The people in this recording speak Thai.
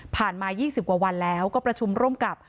ผ่านมายี่สิบกว่าวันแล้วก็พระชุมร่วมกับ